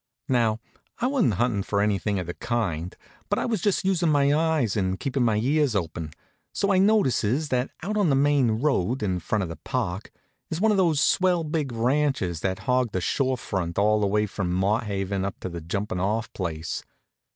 Now, I wa'n't huntin' for anything of the kind, but I was just usin' my eyes and keepin' my ears open, so I notices that out on the main road, in front of the Park, is one of those swell big ranches that hog the shore front all the way from Motthaven up to the jumpin' off place.